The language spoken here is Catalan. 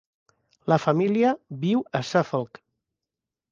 La família viu a Suffolk.